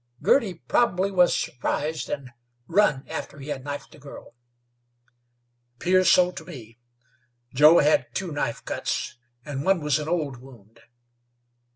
Girty probably was surprised, an' run after he had knifed the girl." "'Pears so to me. Joe had two knife cuts, an' one was an old wound."